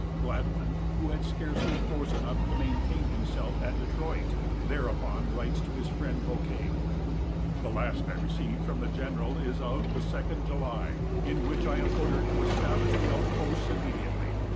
Gladwyn, who had scarcely force enough to maintain himself at Detroit, thereupon writes to his friend Bouquet: "The last I received from the General is of the second July, in which I am ordered to establish the outposts immediately.